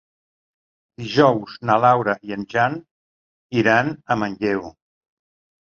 Dijous na Laura i en Jan iran a Manlleu.